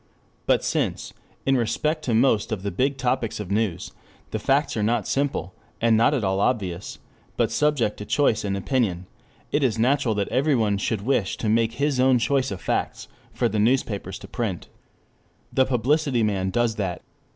But since, in respect to most of the big topics of news, the facts are not simple, and not at all obvious, but subject to choice and opinion, it is natural that everyone should wish to make his own choice of facts for the newspapers to print. The publicity man does that.